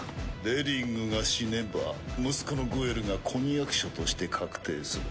デリングが死ねば息子のグエルが婚約者として確定する。